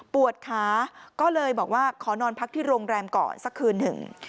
ขาก็เลยบอกว่าขอนอนพักที่โรงแรมก่อนสักคืนหนึ่ง